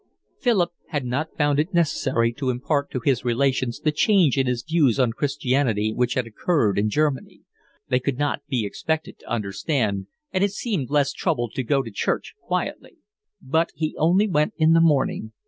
Philip had not found it necessary to impart to his relations the change in his views on Christianity which had occurred in Germany; they could not be expected to understand; and it seemed less trouble to go to church quietly. But he only went in the morning.